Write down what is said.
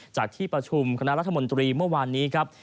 จากที่ประชุมคณะรัฐมนตรีเมื่อวานนี้ครับ